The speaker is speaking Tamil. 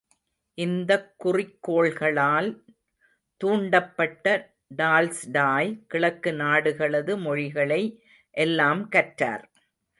இந்தக் குறிக்கோள்களால் தூண்டப்பட்ட டால்ஸ்டாய், கிழக்கு நாடுகளது மொழிகளை எல்லாம் கற்றார்.